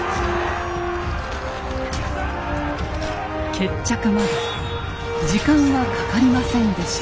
決着まで時間はかかりませんでした。